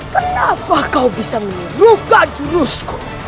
kenapa kau bisa membuka jurusku